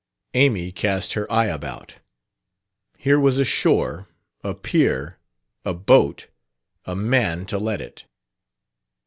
Amy cast her eye about. Here was a shore, a pier, a boat, a man to let it....